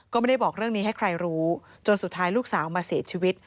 ก็ไม่ได้บอกเรื่องนี้ให้ใครรู้จนสุดท้ายลูกสาวมาเสียชีวิต